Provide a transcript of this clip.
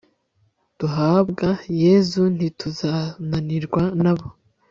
duhabwa yezu ntituzananirwa. n'abo